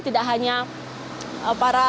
tidak hanya para